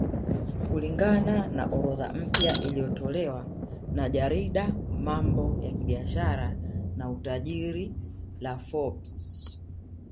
Kulingana orodha mpya iliyotolewa na jarida mambo ya kibiashara na utajiri la Forbes